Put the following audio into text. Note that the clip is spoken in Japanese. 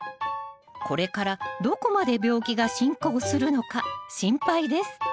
これからどこまで病気が進行するのか心配です